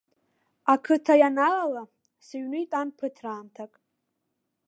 Ақыҭа ианалала, сыҩны итәан ԥыҭраамҭак.